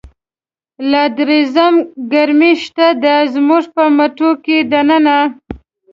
لادرزم ګرمی شته دی، زموږ په مټوکی دننه